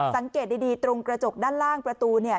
สังเกตดีตรงกระจกด้านล่างประตูเนี่ย